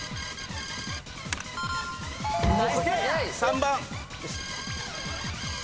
３番。